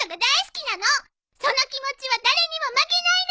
その気持ちは誰にも負けないの！